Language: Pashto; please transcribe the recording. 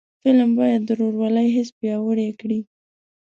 فلم باید د ورورولۍ حس پیاوړی کړي